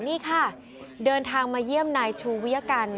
นี่ค่ะเดินทางมาเยี่ยมนายชูวิยกัน